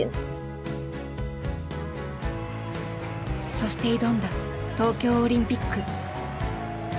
そして挑んだ東京オリンピック。